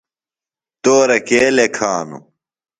تورہ کے لیکھانوۡ؟